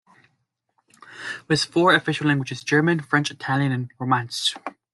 With four official languages-German, French, Italian, and Romansch.